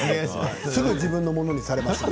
すぐ自分のものにされますよ。